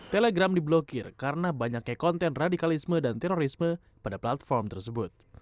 telegram diblokir karena banyaknya konten radikalisme dan terorisme pada platform tersebut